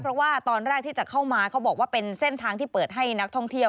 เพราะว่าตอนแรกที่จะเข้ามาเขาบอกว่าเป็นเส้นทางที่เปิดให้นักท่องเที่ยว